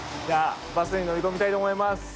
じゃあバスに乗り込みたいと思います！